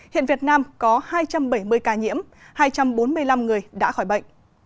hiện việt nam có hai trăm bảy mươi ca nhiễm hai trăm bốn mươi năm người đã khỏi bệnh